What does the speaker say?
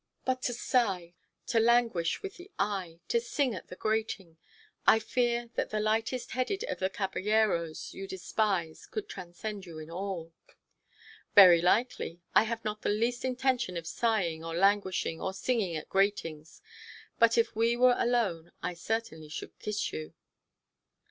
But to sigh! to languish with the eye! to sing at the grating! I fear that the lightest headed of the caballeros you despise could transcend you in all." "Very likely! I have not the least intention of sighing or languishing or singing at gratings. But if we were alone I certainly should kiss you."